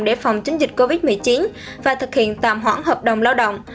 để phòng tránh dịch covid một mươi chín và thực hiện tạm hoãn hợp đồng lao động